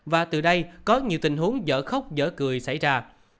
và từ đây có nhiều tình huống giỡn khóc giỡn cười xảy ra